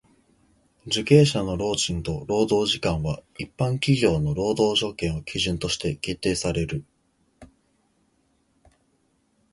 受刑者の労賃と労働時間は一般企業の労働条件を基準として決定される。